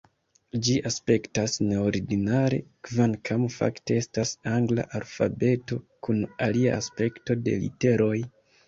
Ĝi aspektas neordinare, kvankam fakte estas angla alfabeto kun alia aspekto de literoj.